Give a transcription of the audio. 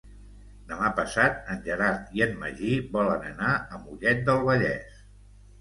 Demà passat en Gerard i en Magí volen anar a Mollet del Vallès.